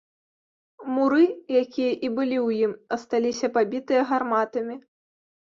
Муры, якія і былі ў ім, асталіся пабітыя гарматамі.